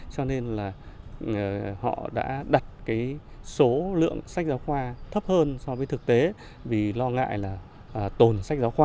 cho nên là họ đã đặt cái số lượng sách giáo khoa thấp hơn so với thực tế vì lo ngại là tồn sách giáo khoa